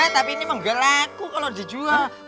ya tapi ini emang gak laku kalau dijual